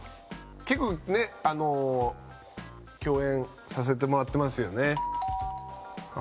結構ねあの共演させてもらってますよね？